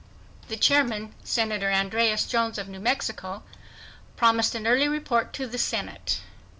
The chairman, Senator Andreas Jones of New Mexico, promised an early report to the Senate.